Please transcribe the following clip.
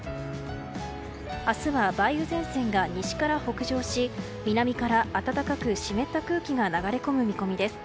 明日は梅雨前線が西から北上し南から暖かく湿った空気が流れ込む見込みです。